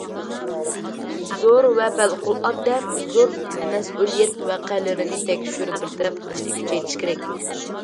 زور ۋە پەۋقۇلئاددە زور مەسئۇلىيەت ۋەقەلىرىنى تەكشۈرۈپ بىر تەرەپ قىلىشنى كۈچەيتىش كېرەك.